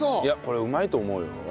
いやこれうまいと思うよ。